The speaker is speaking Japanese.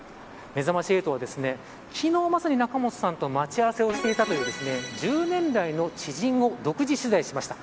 めざまし８は昨日、まさに仲本さんと待ち合わせをしていたという１０年来の知人を独自取材しました。